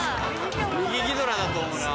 右ギドラだと思うな。